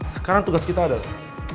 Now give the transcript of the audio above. sekarang tugas kita adalah